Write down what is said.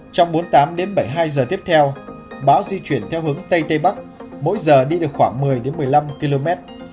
trong bốn mươi tám đến bảy mươi hai giờ tiếp theo bão di chuyển theo hướng tây tây bắc mỗi giờ đi được khoảng một mươi một mươi năm km